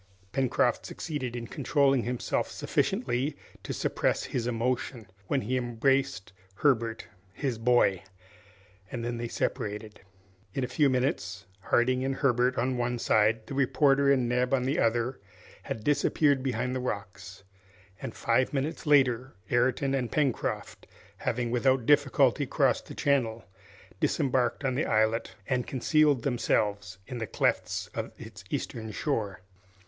Pencroft succeeded in controlling himself sufficiently to suppress his emotion when he embraced Herbert, his boy! and then they separated. In a few moments Harding and Herbert on one side, the reporter and Neb on the other, had disappeared behind the rocks, and five minutes later Ayrton and Pencroft, having without difficulty crossed the channel, disembarked on the islet and concealed themselves in the clefts of its eastern shore.